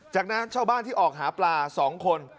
จากนั้นชาวบ้านที่ออกหาปลา๒คน